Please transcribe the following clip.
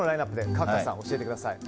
角田さん、教えてください。